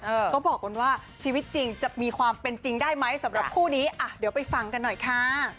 เขาบอกกันว่าชีวิตจริงจะมีความเป็นจริงได้ไหมสำหรับคู่นี้อ่ะเดี๋ยวไปฟังกันหน่อยค่ะ